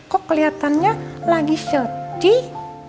kok keliatannya lagi sedih